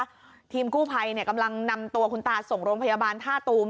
จักรยานไฟฟ้าเนี่ยกำลังนำตัวคุณตาส่งโรงพยาบาลท่าตูม